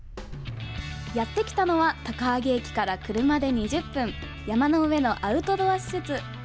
やってきたのは高萩駅から車で２０分山の上のアウトドア施設。